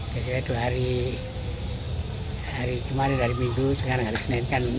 biasanya dua hari hari jumat hari minggu sekarang hari senin